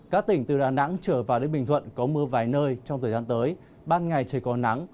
các tỉnh từ đà nẵng trở vào đến bình thuận có mưa vài nơi trong thời gian tới ban ngày trời có nắng